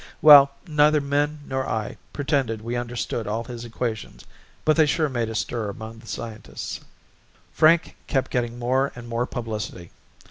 Well, neither Min nor I pretended we understood all his equations but they sure made a stir among the scientists. Frank kept getting more and more publicity.